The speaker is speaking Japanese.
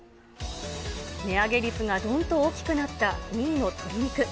値上げ率がどんと大きくなった２位の鶏肉。